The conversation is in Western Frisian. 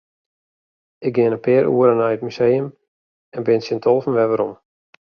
Ik gean in pear oeren nei it museum en bin tsjin tolven wer werom.